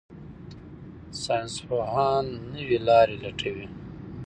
ساينسپوهان نوې لارې لټوي.